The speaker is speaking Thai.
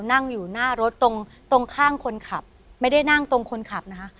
นั่งอยู่หน้ารถตรงตรงข้างคนขับไม่ได้นั่งตรงคนขับนะคะ